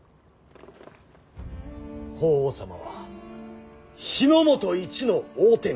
法皇様は日本一の大天狗。